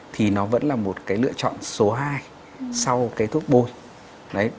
thì nó vẫn là một cái lựa chọn số hai sau cái thuốc bồi